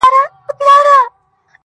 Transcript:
نوره گډا مه كوه مړ به مي كړې.